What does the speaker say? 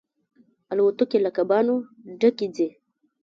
الوتکې له کبانو ډکې ځي.